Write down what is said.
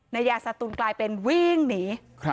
นายาศาตุลกลายเป็นวิ่งหนี